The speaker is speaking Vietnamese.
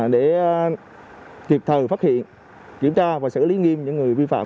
để kịp thời phát hiện kiểm tra và xử lý nghiêm những người vi phạm